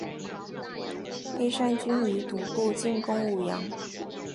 黑山军于毒部进攻武阳。